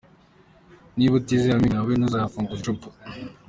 Niba utizeye amenyo yawe ntuzayafunguze icupa.